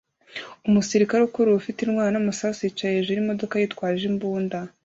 Umusirikare ukurura ufite intwaro n'amasasu yicaye hejuru yimodoka yitwaje imbunda